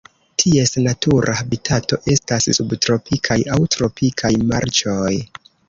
Ties natura habitato estas subtropikaj aŭ tropikaj marĉoj.